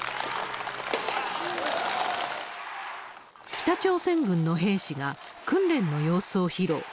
北朝鮮軍の兵士が、訓練の様子を披露。